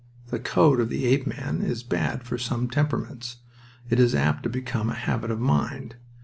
The code of the ape man is bad for some temperaments. It is apt to become a habit of mind.